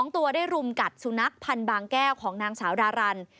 ตัวได้รุมกัดสุนัขพันธ์บางแก้วของนางสาวดารัน